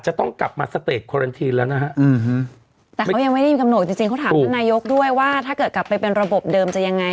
จริงเขาถามพระนายกด้วยว่าถ้าเกิดกลับไปเป็นระบบเดิมจะยังไง